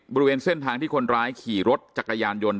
บริเวณเส้นทางที่คนร้ายขี่รถจักรยานยนต์